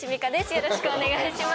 よろしくお願いします。